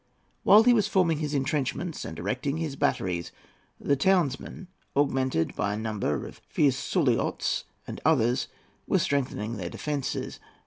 While he was forming his entrenchments and erecting his batteries, the townsmen, augmented by a number of fierce Suliots and others, were strengthening their defences.